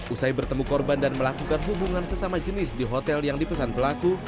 usai bertemu korban dan melakukan hubungan sesama jenis di hotel yang dipesan pelaku